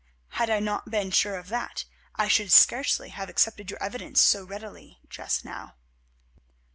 Had I not been sure of that I should scarcely have accepted your evidence so readily just now."